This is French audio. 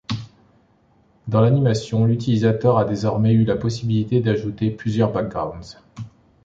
Dans l'animation, l'utilisateur a désormais eu la possibilité d'ajouter plusieurs Backgrounds.